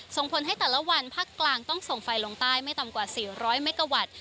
ส่งผลให้แต่ละวันภาคกลางต้องส่งไฟลงใต้ไม่ต่ำกว่า๔๐๐เมกาวัตต์